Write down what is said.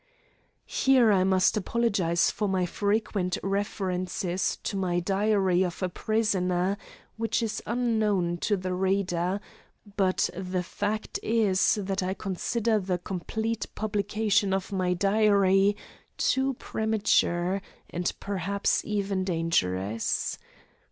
Here I must apologise for my frequent references to my "Diary of a Prisoner," which is unknown to the reader; but the fact is that I consider the complete publication of my "Diary" too premature and perhaps even dangerous.